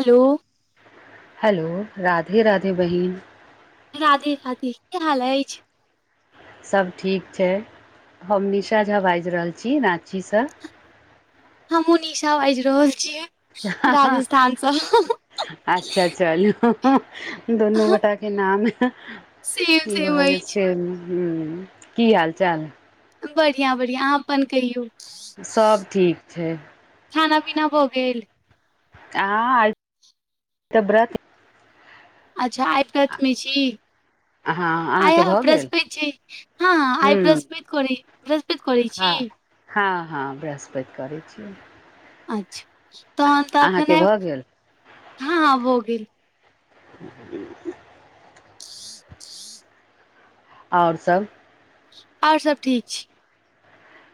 Hello. Hello. Radhe Radhe बहिन। राधे राधे की हाल अछि। सब ठीक छै हम निशा झा बाजि रहल छी राँचीसँ हमूँ निशा बाजि रहल छियै। राजस्थानसँ [unintelligible] अच्छा चलू दुनू गोटाके के नाम सेम की सेम भऽ गेल अछि सेम की हाल चाल बढ़ियाँ बढ़ियाँ अहाँ अप्पन कहियौ सब ठीक छै। खाना पीना भऽ गेल आय तऽ ब्रत अच्छा आइ व्रत मे छीऽ हँ आइ अहाँके भऽ गेल बृहस्पति छै हँ हँ आय हूँ बृहस्पति करै बृहस्पति करै हँ छी। हँ हँ बृहस्पति करय छी। अच्छा तहन त अहाँके अखने भऽ गेल हँ हँ भऽ गेल। [inaudible] आओर सभ आओर सभ ठीक छी।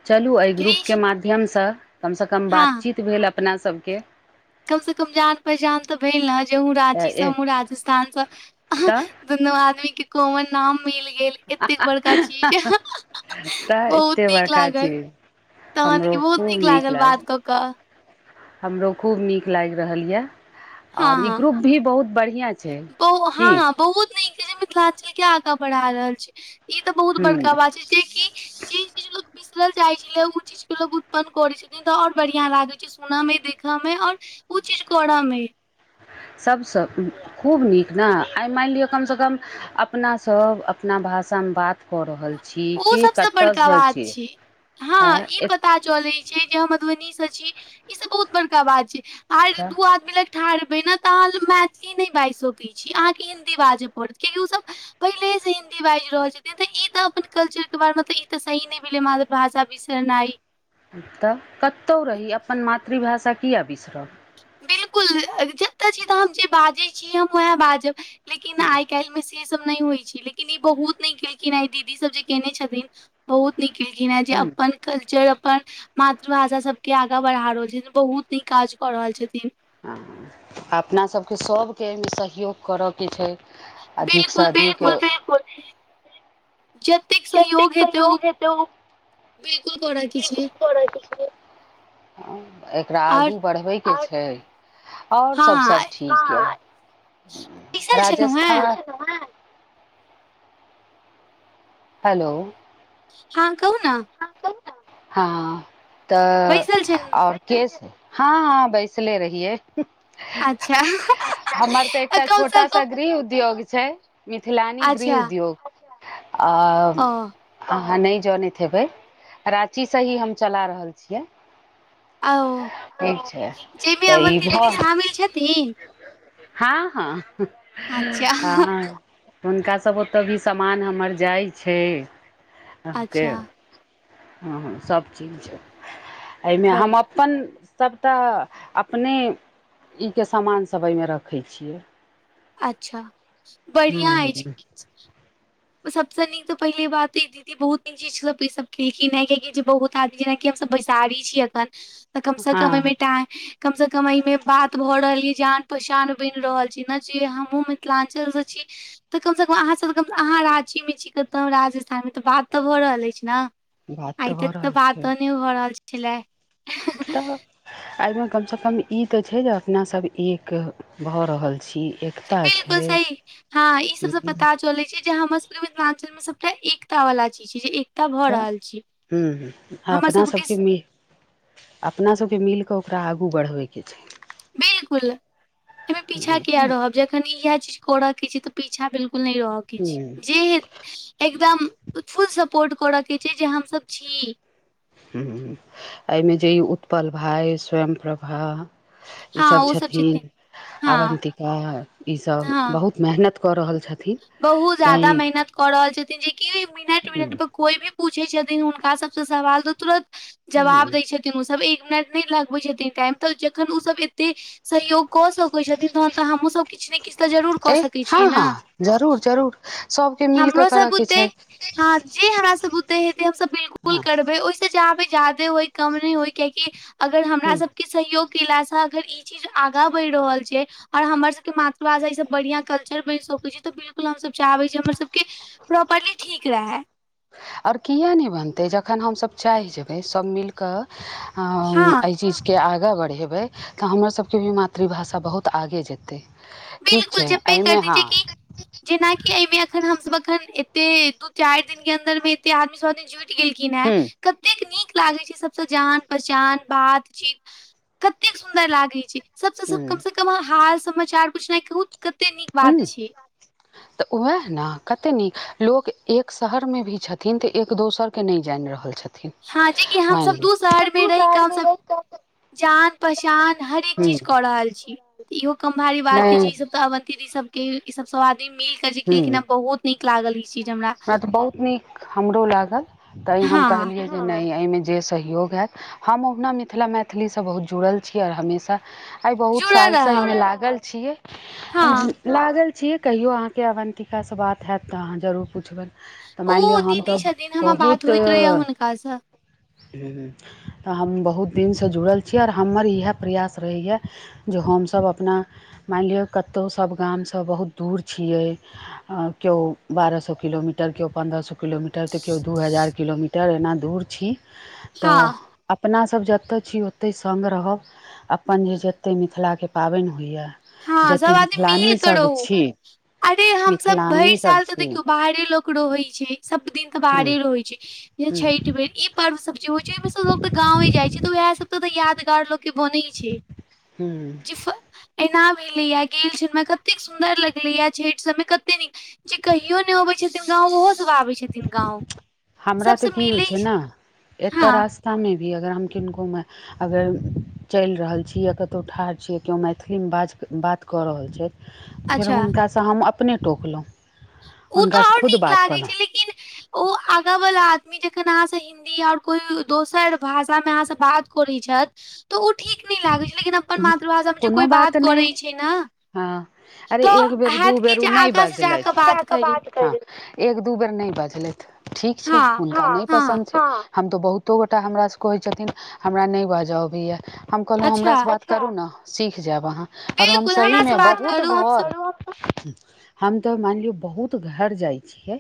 चलू अय ग्रुपके क्रिश माध्यमसँ कमसँ कम बातचीत भेल अपनाऽ सबके कमसँ कम जान पहचान तऽ भेल ने जे अहुँ राचीसँ हमहुँ राजस्थानसँ अहाँ तऽ दुनू आदमी के कोमन नाम मील गेल एतेक बड़का चीज [unintelligible] तऽ बहुत एते नीक बड़का लागल चीज तहन की हमरो बहुत खूब नीक लागल लाग बात कऽ कऽ हमरो खूब नीक लागि रहल ये हँ आओर ई हँ ग्रुप भी बहुत बढ़ियाँ बहु हँ बहुत नीक छै जे मिथिलाञ्चल के आगाँ बढ़ा रहल छै। ई तऽ बहुत बड़का ह बात छै जे की जी इजे लोक बिसरल जाइ छले उ चीज के लोग उत्पन्न करे छथिन तऽ आओर बढ़ियाँ लागै छै। सुन मे देखऽ मे आओर उ चीज करऽ मे सभसँ खूब नीक न आय मानि लिअ कम स कमऽ अपना सब अपना भाषा मे बात कऽ रहल छी ओ के सबसँ कतऽ बड़का स छी ऐँ एत ता चलय छै जे हँ मधुबनी स छी ई सब बहुत बड़का बात छै आय दू आदमी लग ठाढ़ हेबै ने तऽ अहाँ मैथिली नहि बाजि सकय छी अहाँकेँ हिन्दी बाजऽ पड़त कियाकि उसभ पहिलेहे से हिन्दी बाजि रहल छथिन तऽ ई तऽ अपन कल्चरके बारेमे ई तऽ सही नहि भेलै मातृभाषा बिसरनाइ तऽ कत्तौ रही अपन मातृभाषा किये बिसरब बिल्कुल जतय छी तऽ हम जे बाजै छी हम उएह बाजब लेकिन हँ आय काल्हिमे से से सब नय होइ छै लेकिन ई बहुत नय केलखिन आय दीदी सब जे केने छथिन बहुत नीक केलखिन हेँ जे ह अप्पन कल्चर अपन मातृभाषा सबके आगाँ बढ़ा रहल छथिन बहुत नीक काज कऽ रहल छथिन। हंँ अपना सभके सभके एहिमे सहयोग करय के छै अधिकसँ बिल्कुल बिल्कुल अधिक जेत जेतेक सहयोग हेतै उ बिल्कुल करऽ के छै। एकरा आओर आगू बढ़बैके छै। आओर सब सब हँ ठीक हय बैसल छलहुँ हेँ राजस्थान हेलो हँ कहु नऽ हँ तऽ बैसल छलहुँ आओर। केस हँ हँ बैसले रहिए अच्छा हमर तऽ एकटा कम सँ छोटा कम सा गृह उद्योग छै मिथिलानी गृह अच्छा उद्योग आ ओ अहाँ नहि जनै हेबै राची से ही हम चला रहल छियै आउ ठीक छै जइमे तऽ ई अवन्ती दीदी भऽ शामिल छेथी हँ हँ अच्छा हँ हुनका सब ओतऽ भी समान हमर जाइ छै अहाँके अच्छा हँ हँ सभ चीज एइमे बड़ हम अपन सभटा अपने ई के समान सब अइमे रखै छियै अच्छा बढ़ियां हूँ अछि सबसँ नीक तऽ पहिले बात दिदि बहुत निख चीज सब ईसभ केलखिन हे कआकि जे बहुत आदमी जेनाकि हम सभ बैसारी छिय अखन तऽ कमसँ कम अइ हँ मे टाइ कमसँ कम अइमे बात भऽ रहल यइ जान पहचान बनि रहल छै ने जे हमहूँ मिथिलाञ्चलसँ छी तऽ कमसँ कम अहाँ सब अहाँ राची मे छी कतहु राजस्थान मे तऽ बात तऽ भऽ रहल अछि न बात आइ भऽ तक तऽ रहल छै बातो नै भऽ रहल छेला तऽ एहिमे कमसँ कम ई तऽ छै जे अपनासभ एक भऽ रहल छी एक बिलकुल सही हँ ई सबसँ पता चलै छै जे हमर सबके मिथिलाञ्चल मे सबटा एकता वाला चीज छै जे भऽ तऽ रहल छै। हूं हूं हमर अपना सबके सभके स- मे अपना सबके मिल कऽ ओकरा आगू बढ़बै के छै बिलकुल अईमे पीछा किया रहब जे खन इएह चीज करऽ के छै तऽ पीछा बिलकुल नय रहय के हूँ छै जे हे एकदम फुल सपोर्ट करऽके छै जे हमसब छी हूं एहिमे जे ई उत्पल भाय स्वयं प्रभा हाँ ईसभ ओ सब छथिन हाँ, अवन्तिका ईसभ हाँ। बहुत मेहनत कऽ रहल छथि बहुत जादा मेहनत कऽ रहल छथिन जेकि मिनट मिनट पर कोई भी पूछै छथिन हुनका सबसँ सवाल तऽ तुरत जवाब दै छथिन न ओ सब एक मिनट नय लगबै छथिन टाइम तऽ जखन ओ सब एते सहयोग कऽ सकै छथिन तहन तऽ हमहुँ सभ किछ न किछ तऽ जरूर ए कऽ सकै हँ छियै न हँ जरूर जरूर सभके मिल कऽ हमरो सब करयके बुते छै हँ जे हमरा सब बुते हेतै हम सब बिलकुल फूल हँ करबै ओहिस जाहबै जादे होइ कम नय होइ कियाकि अगर हमरा ह सबके सहयोग केला सं अगर ई जी चीज आगा बढ़ि रहल छै आ हमर सब के मातृभाषा ई सब बढ़िया कल्चर बनि सक छै त बिल कुल हम सब चाहबै जे हमर सबके प्रॉपरली ठीक रहे आओर किया नय बनतै जखन हमसभ चाहि जेबै सभ मिल कऽ हं हँ एहि चीज के आगाँ बढ़ेबै तऽ हमर सबके भी मातृभाषा बहुत आगे जेतै। ठीक बिलकुल छै जपे कर एहिमे दीज हँ कि जेना कि अइमे एखन हम सभ एखन एते दू चारि दि के अन्दर मे एते आदमी सभ जुटि गेलखिन हे ह कतेक नीक लागै छै सबसँ जान पहचान बात चीत कतेक सुन्दर लागै छै ह सबसँ कम से कम अहाँ हाल समाचार पुछना कहू कते नीक बात हूं छै तऽ वएह ने कते नी लोक एक शहर मे भी छथिन तऽ एक दोसरके नहि जानि रहल छथिन हँ जेकि [inaudible] मान हमसब लिए दू शहर मे रहि कऽ हमसब [unintelligible] जान पहचान हरेक चीज कऽ रहल छी इहो कम भारी बात नै नहि छै ई सब तऽ अवंति दी सब के ई सब सब आदमी मिल के जे केलखिन हूँ ह बहुत नीक लागल ई चीज हमरा [inaudible] हँ तऽ बहुत नीक हमरो लागल तऽ ई हम हँ कहलियै नय नइ एहिमे जे सहयोग हैत हम ओहुना मिथिला मैथिलीसँ बहुत जुड़ल छी आर हमेशा आई बहुत जुड़ल साल सँ रहब अयमे लागल छिये हँ [unintelligible] लागल छिये कहियो आहाँ के अवन्तिका सँ बात हैत तऽ अहाँ जरूर पूछवैन तऽ ओ मान लिअ हम दीदी तऽ छथिन हमर बात बहुत होइत रहैया हुनकासँ [inaudible] तऽ हम बहुत दिनसँ जुड़ल छी आर हमर इहा प्रयास रहैए जे हमसभ अपना मानलिओ कतो सभ गामसँ बहुत दूर छियै केओ बारह सौ किलोमीटर, केओ पन्द्रह सौ किलोमीटर, तऽ केओ दू हजार किलोमीटर टर एना दूर छी हँ तऽ अपना सब जतऽ छी ओतए सङ्ग रहब अपन जे जेते मिथिलाके पाबैंन होइए हँ सब जतेक आदमी मिल कर मिथिलानीसभ रहू छी अरे हम सभ भैर मिथिलानीसभ साल तऽ छी देखियौ बाहरे लोक रहै छै सभ दिनक हूँ बाहरे रहै छै। [inaudible] हूँ छैठ बेर ई पर्व सब जे होइ छै ओ सब लोक त गाँवे जाइ छै। तऽ उएह सब तऽ यादगार लोक के बनै छै। हूँ [unintelligible] ऐना भेलेया गेल छल मे कतेक सुंन्दर लगलेए छैठ सबमे कते नीक जे कहियो नय अबै छथिन गाँव ओहोसभ आबै छथिन गाँंव हमरा तऽ की होइ छै न एतऽ हँ रास्ता में भी अगर हम किनको में अगर चइल रहल छी या कतो ठाढ़ छीयै केओ मैथिलीमे बाज बात कऽ रहल छै फेर अच्छा हुनका सँ हम अपने टोकलो ओ तऽ ओर नीक लागै छै लेकिन ओ आगा वाला आदमी जखन अहाँ से हिन्दी आऊर कोई दोसर भाषा में अहाँ से बात करै छैथ तऽ ओ ठीक नई लागै छै लेकिन अब अपन मातृभाषा मे जे कोइ कोनो बात करै नहि छै न हँ तऽ होत कि जे आगा से जा ाक बात करली एक दू बेर नय बजलैथ ठीक छै हँ [inaudible] हुनका नय [inaudible] हँ पसन्द छै हम तऽ बहुतो गोटा हमरा सँ कहै छथिन। हमरा नय बाजऽ अबैया हम कहलहुँ अच्छा हमरासँ बात करू ने सीख जायब अहाँ ओर [unintelligible] हम बिल्कुल हमरा से सहीमे बात बहुत करू हमसब घर। हम तऽ माइन लियो बहुत घर जाइ छियै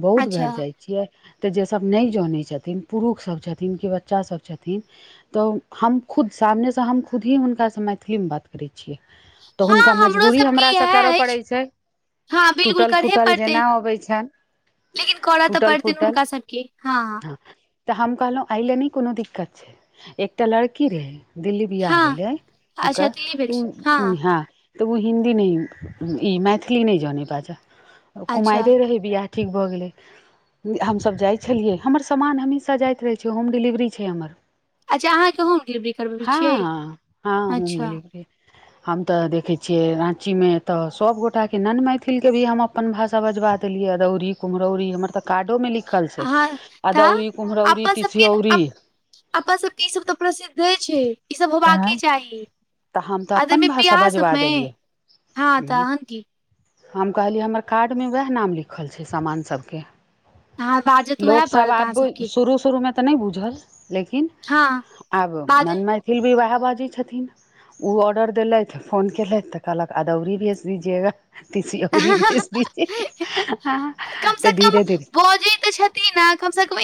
बहुत अच्छा घर जाइ छियै तऽ जेसभ नैय जनै छथिन पुरुखसभ छथिन कि बच्चासभ छथिन तऽ हम खुद सामने सऽ हम खुद ही हुनका से मैथिली मे बात कर करै छियै तऽ हँ हुनका हमरो मजबूरी हमर सबके से करऽ इएह पड़ै अछि छै हँ बिल्कुल टूटल करहे फूटल पड़तै जेना अबै छैन लेकिन करऽ तऽ पड़तें न हुनका सबके हँ तऽ हम कहलहुं आइले नइ कोनो दिक्कत छै एकटा लड़की रहे दिल्ली बियाह हँ भेलै अच्छा ओकर दिल्ली [unintelligible] भेल छी हँ तऽ ओ हिन्दी नई ई मैथिली नहि जानै बाजै अच्छा कुमारे रहै बियह ठीक भऽ गेलै हमसभ जाइ छलियै हमर सामान हमेशा जाइत रहै छै होम डिलेवरी छै हमर अच्छा अहाँके होम डिलिवरी करबबै छियै हाॅं होम अच्छा डिलीवरी हम तऽ देखै छियै राँचीमे तऽ सभगोटाके नन मैथिलके भी हम अप अपन भाषा बजबा देलियै। अदौरी कुम्हरौरी हमर तऽ कार्डो में लिखल छै अहाँ तऽ अदौरी कुम्हरौरी अपन सबके तसियौरी। अप- अपन सभ केँ ईसभ तऽ प्रसिद्धे छै। ईसभ होबाक चाही। तऽ हम तऽ अपन आदमी भाषा वियाह सब बजबा में देलियै [inaudible] हँ तहन की हम कहलियै हमर कार्ड में ओहै नाम लिखल छै सामान सब केँ अहाँ [inaudible] बाजत उएह लोक सब पड़त अहाँ आब सबके शुरू शुरू मे तऽ नै बुझल लेकिन हँ [inaudible] आब बाजू नन मैथिली भी ओहै बाजै छथिन ओ ऑर्डर देलैथ फोन केलैथ तऽ कहलक अदौरी भेज दीजएगा तसीओरी भेज दीजिये कम से तऽ कम धीरे धीरे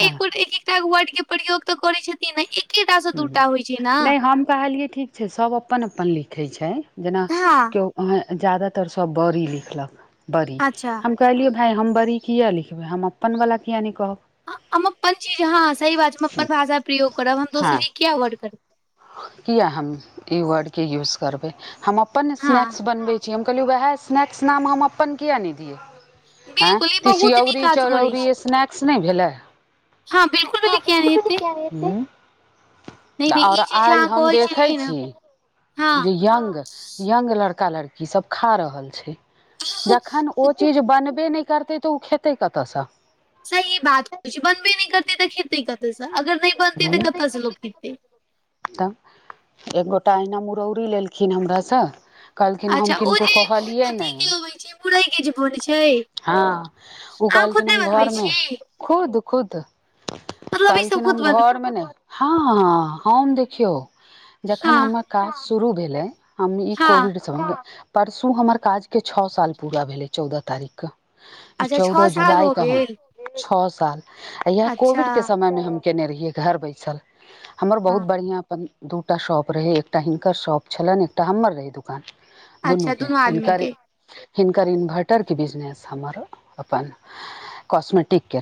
हँ तैगो वर्ड केँ प्रयोग तऽ करै छथिन न एकेटा से दूटा हूँ होइ छै न नहि हम कहलिए ठीक छै सब अपन अपन लिखै छै जेना हँ केओ जादातर सब बड़ी लिखलक बड़ी अच्छा हम कहलियै भाय हम बड़ी कियै लिखबै हम अपनवला किएक नै कहब हम अपन चीज हँ सही बात छै हम अपन भाषा प्रयोग करब हम दोसरी केँ किया वर्ड करबय किया हम ई वर्ड केँ यूज करबै हम अपन हँ स्नैक्स बनबैत छी छी हम कहलियँ ओहै स्नैक्स नाम हम अपन किया नै दियै आँय बिल्कुल ई बहुत नीक तीसियौरी काज करै चरौरी छी ई स्नैक्स नै भेले हँ बिल्कुल बिल्कुल किया नहि हेतै [unintelligible] नहि तऽ नहि और ई चीज जे आइ अहाँ हम कहै देखै छलियै ने छी [inaudible] हँ जे यंग यंग लड़का लड़की सब खा रहल छै जखन ओ चीज बनबे नै करते तऽ ओ खेतै कऽ तऽ सँ सही बात किछ बनबे नै करतै तऽ खेतै कतयसँ अगर नै बनतै हूँ तऽ कऽ तऽ स लोक खेतै तऽ [inaudible] एकगोटा अहिना मुरौरी लेलखिन हमरासँ कहलखिन हम किनको कहलियै न मुरैय केँ जे बनय छै हँ ओ अहाँ कहलखिन खुदे हम बनबै घर में छी खुद खुद [inaudible] मतलब ई सब कहलखिन खुद हम बन घर में नै हाॅं हम देखियौ जखन हँ हमर काज शुरू भेलै हम ई हँ कोविडसँ परसू हमर काज केँ छओ साल पूरा भेलै चौदह तारीख अच्छा छओ चौदह साल हो जुलाई कऽ हम गेल छओ साल इहाँ अच्छा कोविड केँ समय में हम केने रहियै घर बैसल हमर हँ बहुत बढ़िया अपन दूटा शॉप रहे एकटा हिनकर शॉप छलैन एकटा हमर रहे दु कान दुनू अच्छा केँ आदमी हिनकर के हिनकर इन्वर्टर केँ बिजनेस हमरो अपन [inaudible] कॉस्मेटिक केँ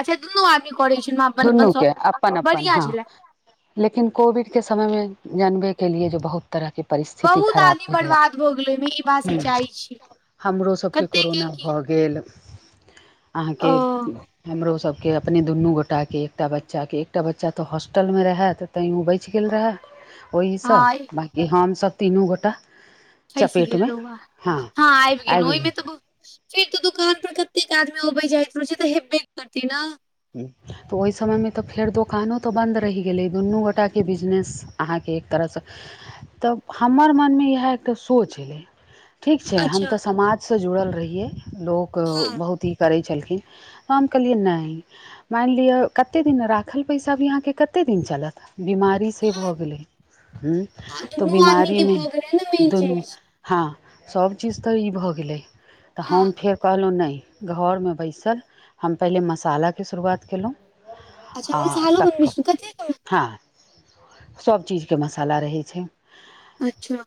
अच्छा दुनू आदमी करै छलहुँ [inaudible] अपन अपन दुनू सब केँ अपन अपन बढ़िया हँ छले लेकिन कोविड केँ समय में जानबै केलिए जे बहुत तरह केँ परिस्थिति बहुत आदमी खराब बर्बाद भऽ गेलै ओहिमे ई बात भेल सच्चाइ छै [inaudible] हमरो सब केँ कते के कोरोना की भऽ गेल [inaudible] ओ अहाँकेँ हमरो सब केँ अपने दुनू गोटाकेँ एकटा बच्चा केँ एकटा बच्चा तऽ हॉस्टलमे रहै तऽ तै ओ बैच गेल रहै ओहीसँ हँ बाँकी हम सभ तीनू गोटा फैस चपेटमे गेलो हँ आबि गेलहु ओहिमे तऽ फेर तऽ दुकान पर कतेक आदमी अबे जाइत रहय छै तऽ हेबे करतै न तऽ ओर समय में तऽ फेर दोकानो तऽ बन्द रहि गेलै दुनू गोटा केँ बिजनेस अहाँकेँ एक तरहसँ तऽ हमर मनमे इएह एकटा सोच एलै ठीक छाय हम अच्छा तऽ समाजसँ जुड़ल रहियै लोक हँ बहुत ही करै छलखिन हम कहलियए नय माइन लिअ कते दिन राखल पैसा भी अहां के कते दिन चलत बीमारी से कहाँ भऽ गेलै हूँ तऽ ओ दुनू आदमी बीमारी के मे भऽ गेलै ने मेन दुनू चीज हां सब चीज तऽ ई भए गेलै तऽ हँ हम फेर कहलौ नै घर मे बैसल हम पहिले मसालाके शुरुआत केलौ अच्छा आ मसालो बनबै तक छी कतेक हँ सब चीजके मसाला रहै छै अच्छा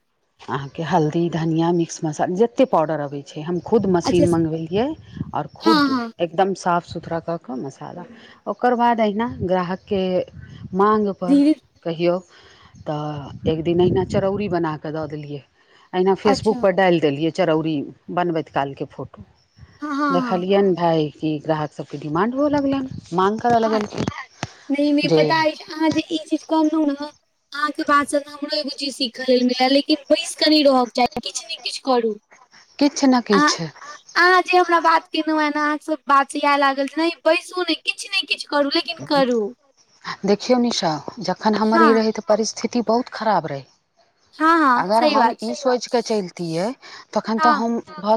अहाँ के हल्दी धनिया मिक्स मसाला जेते पाउडर अबैय हम खुद अच्छा मशीन मँगबेलियै आओर हँ खुद हँ दम साफ सुथरा कऽ कऽ मसाला ओकर बाद अहिना ग्राहक के माँग पर धीरे कहियौ तऽ एक दिन अहिना चरौरी बना कऽ दऽ देलियै अहिना फेसबुक अच्छा पर डाइल देलियै चरौरी बनबैत कालके फोटो हँ हँ देखलियैन भाय कि ग्राहक सबके डिमांड हुअ लगलैन मांग कर हँ नहि नहि लगलखिन जे पता अछि अहाँ जे ई चीज कहनु न अहाँके बातसँ न हमरो ई बुची सीखऽ लला लेकिन बैस कनै रहऽके चाही किछु ने किछु करू किछ न अहाँ किछ अहाँ जे हमरा बात केेनु हँ न अहाँ सब बात एह लागल जे बैसू नै किछ नै देखियौ निशा जखन हमर हँ ई रहै तऽ परिस्थिति बहुत खराब रहै हँ हँ अगर सही हम बात ई छै सोचकऽ चलैतियै तखन हँ तऽ हम